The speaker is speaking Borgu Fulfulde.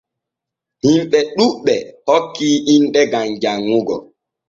Himɓe ɗuɓɓe hokki inɗe gam janŋugo.